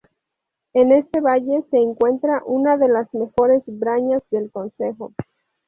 En este valle se encuentra una de las mejores brañas del concejo.